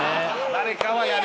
誰かはやる。